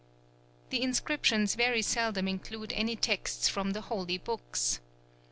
The inscriptions very seldom include any texts from the holy books.